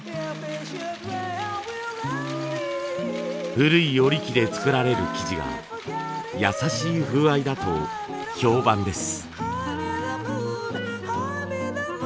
古い織機で作られる生地がやさしい風合いだと評判です。